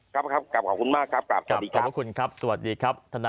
ครับขอบคุณมากครับสวัสดีครับ